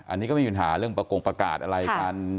อันนี้ก็ไม่มีปัญหาเรื่องประกงประกาศอะไรกัน